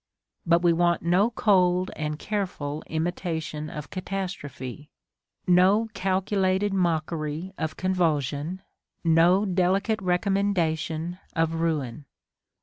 But we want no cold and careful imitation of catastrophe; no calculated mockery of convulsion; no delicate recommendation of ruin.